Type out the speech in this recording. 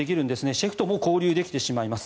シェフとも交流できてしまいます。